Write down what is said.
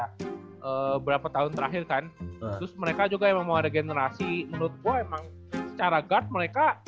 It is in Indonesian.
beberapa tahun terakhir kan terus mereka juga emang mau ada generasi menurut gue emang secara guard mereka